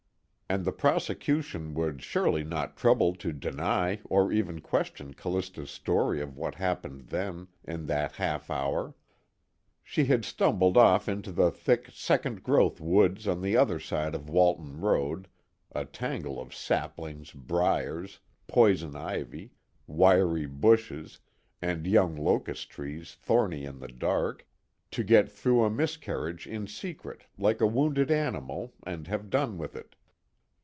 And the prosecution would surely not trouble to deny or even question Callista's story of what happened then, in that half hour. She had stumbled off into the thick second growth woods on the other side of Walton Road, a tangle of saplings, briers, poison ivy, wiry bushes, and young locust trees thorny in the dark, to get through a miscarriage in secret like a wounded animal and have done with it.